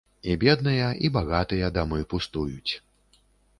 І бедныя, і багатыя дамы пустуюць.